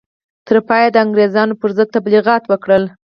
تر پایه یې د انګرېزانو پر ضد تبلیغات وکړل.